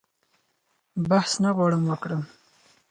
بحث نه غواړم وکړم.